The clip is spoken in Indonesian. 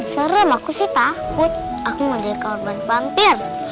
serem aku sih takut aku mau jadi korban mampir